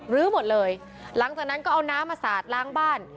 ลื้อหมดเลยหลังจากนั้นก็เอาน้ำมาสาดล้างบ้าน